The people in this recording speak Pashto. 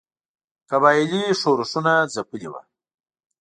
قبایلي ښورښونه ځپلي وه.